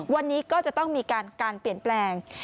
วันนี้ก็จะต้องมีการเปลี่ยนแปลง